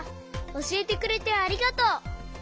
おしえてくれてありがとう！